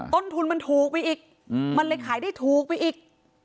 ต้นทุนมันถูกไปอีกมันเลยขายได้ถูกไปอีก